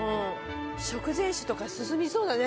食前酒とか進みそうだね。